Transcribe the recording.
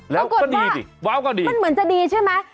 แล้วก็ดีสิว้าวก็ดีมันเหมือนจะดีใช่ไหม